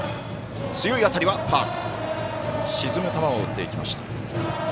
沈む球を打っていきました。